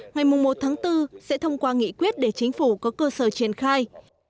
ngày một tháng bốn sẽ thông qua nghị quyết để chính phủ có cơ sở triển khai